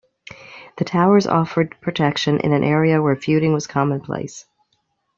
The towers offered protection in an area where feuding was commonplace.